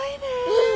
うん。